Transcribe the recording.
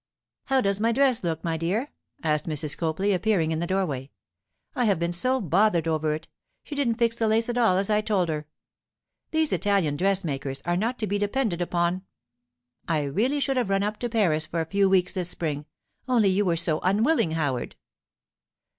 'How does my dress look, my dear?' asked Mrs. Copley, appearing in the doorway. 'I have been so bothered over it; she didn't fix the lace at all as I told her. These Italian dressmakers are not to be depended upon. I really should have run up to Paris for a few weeks this spring, only you were so unwilling, Howard.